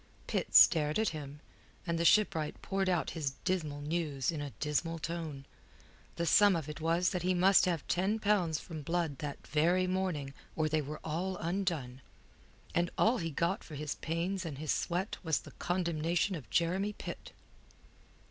Pitt stared at him, and the shipwright poured out his dismal news in a dismal tone. The sum of it was that he must have ten pounds from Blood that very morning or they were all undone. And all he got for his pains and his sweat was the condemnation of Jeremy Pitt.